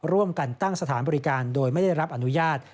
ร่วมกันตั้งสถานบริการโดยไม่ได้รับอนุญาต